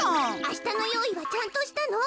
あしたのよういはちゃんとしたの？